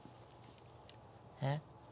えっ？